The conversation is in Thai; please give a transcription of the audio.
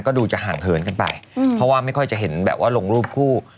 ก็ดูจะห่างเหินกันไปเพราะว่าไม่ค่อยจะเห็นแบบว่าลงรูปคู่